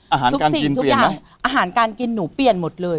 อาหารการกินเปลี่ยนไหมอาหารการกินหนูเปลี่ยนหมดเลย